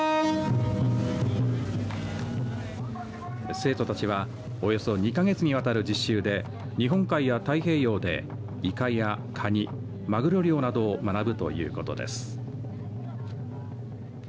生徒たちはおよそ２か月にわたる実習で日本海や太平洋でイカやカニ、マグロ漁などを学ぶということです。